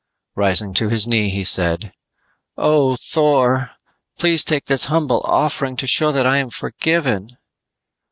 Rising to his knee he said, "Oh, Thor, please take this humble offering to show that I am forgiven."